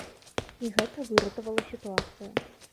І гэта выратавала сітуацыю.